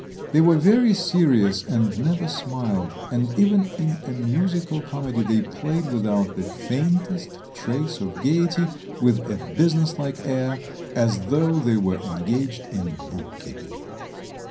They were very serious and never smiled, and even in a musical comedy they played without the faintest trace of gaiety, with a businesslike air, as though they were engaged in bookkeeping.